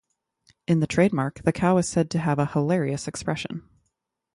In the trademark, the cow is said to have a hilarious expression.